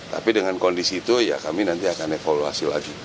tapi dengan kondisi itu ya kami nanti akan evaluasi lagi